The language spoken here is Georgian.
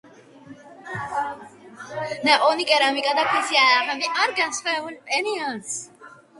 ნაპოვნი კერამიკა და ქვის იარაღები ორ განსხვავებულ პერიოდს მიეკუთვნება.